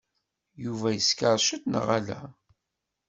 Yuba yeskeṛ ciṭ, neɣ ala?